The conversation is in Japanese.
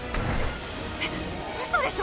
えっウソでしょ